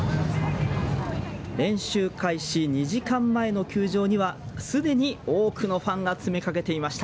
練習開始２時間前の球場にはすでに多くのファンが詰めかけていました。